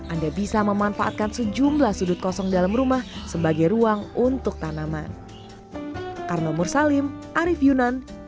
anda bisa memanfaatkan sejumlah sudut kosong dalam rumah sebagai ruang untuk tanaman